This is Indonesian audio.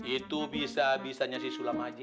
itu bisa bisanya si sulam haji